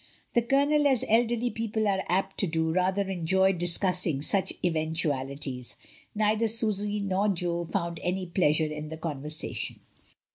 The Colonel, as elderly people are apt to do, rather enjoyed discussing such even tualities; neither Susy nor Jo found any pleasure in the conversation.